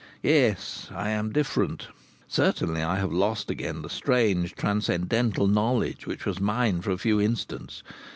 Yet I am different. Certainly I have lost again the strange transcendental knowledge which was mine for a few instants.